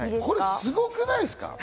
すごくないですか？